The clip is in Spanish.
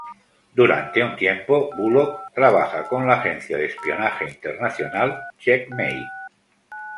Durante un tiempo Bullock trabaja con la agencia de espionaje internacional "Checkmate".